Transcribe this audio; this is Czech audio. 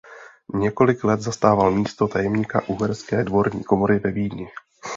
Několik let zastával místo tajemníka uherské dvorní komory ve Vídni.